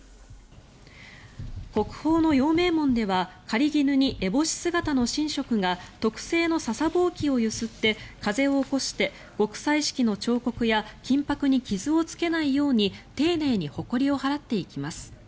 国宝の陽明門では狩衣に烏帽子姿の神職が特製のササぼうきをゆすって風を起こして極彩色の彫刻や金箔に傷をつけないように丁寧にほこりを払っていきます。